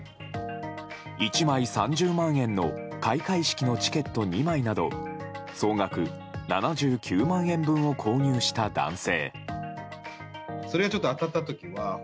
１枚３０万円の開会式のチケット２枚など総額７９万円分を購入した男性。